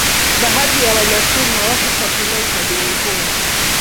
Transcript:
Baadhi ya Wanyaturu hawakufuatilia utabiri huo